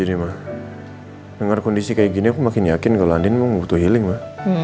denger kondisi kayak gini aku makin yakin kalau andin mau butuh healing mak